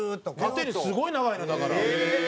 縦にすごい長いのだから。